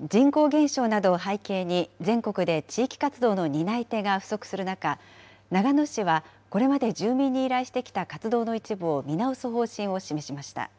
人口減少などを背景に、全国で地域活動の担い手が不足する中、長野市は、これまで住民に依頼してきた活動の一部を見直す方針を示しました。